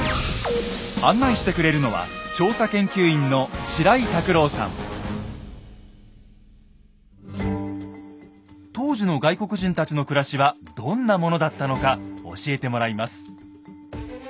案内してくれるのは当時の外国人たちの暮らしはどんなものだったのか教えてもらいます。